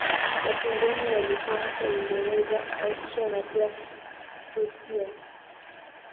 Wapinzani walikuwa hasa Uingereza, Austria na pia Prussia.